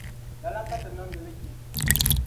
Lala ka ti niŋdili kpe.